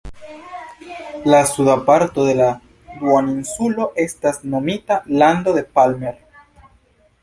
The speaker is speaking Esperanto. La suda parto de la duoninsulo estas nomita "lando de Palmer".